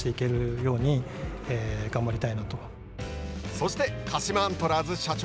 そして、鹿島アントラーズ社長